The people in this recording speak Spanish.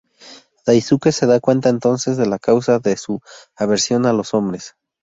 Daisuke se da cuenta entonces de la causa de su aversión a los hombres.